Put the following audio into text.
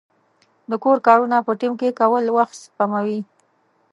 د کور کارونه په ټیم کې کول وخت سپموي.